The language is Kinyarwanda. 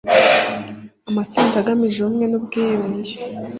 amatsinda agamije ubumwe n ubwiyunge